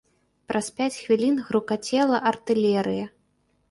Праз пяць хвілін грукацела артылерыя.